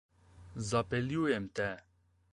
Zapeljujem te.